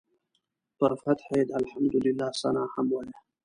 پر فتحه یې د الحمدلله ثناء هم وایه.